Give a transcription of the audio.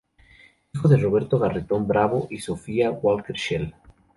Hijo de Roberto Garretón Bravo y Sofía Walker Shell.